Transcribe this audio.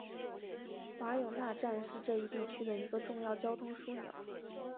瓦永纳站是这一地区的一个重要交通枢纽。